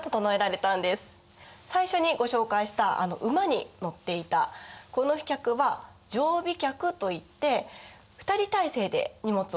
最初にご紹介したあの馬に乗っていたこの飛脚は定飛脚といって２人体制で荷物を運んでたんですよ。